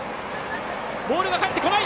ボールがかえってこない！